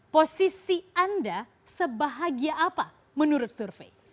posisi anda sebahagia apa menurut survei